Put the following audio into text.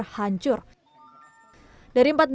kedengar muncul dan desa ginanjar hancur